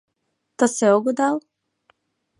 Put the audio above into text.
— Тысе огыдал?